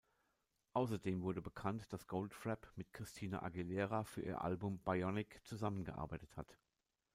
Außerdem wurde bekannt, dass Goldfrapp mit Christina Aguilera für ihr Album "Bionic" zusammengearbeitet hat.